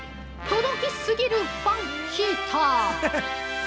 届き過ぎるファンヒーター！